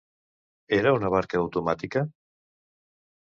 Era una barca automàtica?